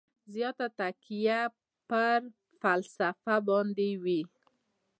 زیاته تکیه یې پر فلسفه باندې وي.